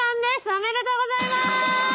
おめでとうございます！